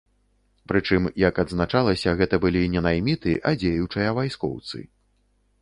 Прычым, як адзначалася, гэта былі не найміты, а дзеючыя вайскоўцы.